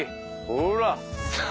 ほら！